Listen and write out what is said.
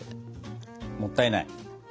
もったいない。